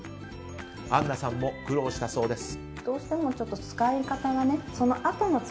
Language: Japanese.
アンナさんも苦労したそうです。